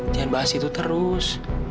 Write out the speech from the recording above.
jangan bahas itu terus